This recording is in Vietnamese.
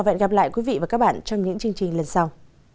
hẹn gặp lại quý vị và các bạn trong những chương trình lần sau